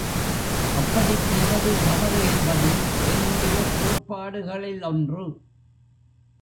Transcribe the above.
அப்படிச் செய்வது தவறு என்பது என்னுடைய கோட்பாடுகளி லொன்று.